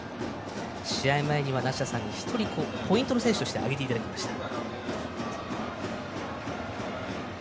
試合前には梨田さんにポイントの選手として挙げていただきました。